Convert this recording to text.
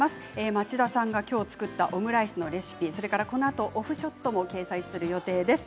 町田さんが、きょう作ったオムライスのレシピそれからこのあとオフショットも掲載する予定です。